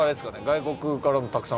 外国からもたくさん。